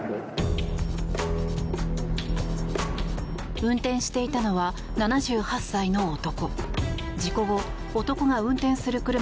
運転していたのは７８歳の男。